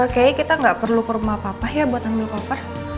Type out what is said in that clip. kayaknya kita gak perlu ke rumah papa ya buat ambil koper